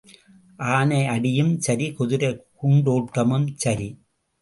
ஆனை அடியும் சரி, குதிரை குண்டோட்டமும் சரி.